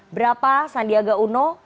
berapa sandiaga uno